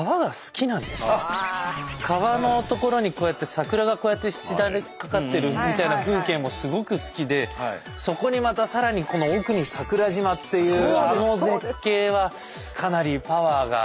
川の所にこうやって桜がこうやってしだれかかってるみたいな風景もすごく好きでそこにまたさらにこの奥に桜島っていうあの絶景はかなりパワーが。